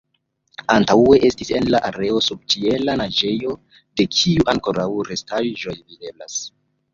Antaŭe estis en la areo subĉiela naĝejo, de kiu ankoraŭ restaĵoj videblas.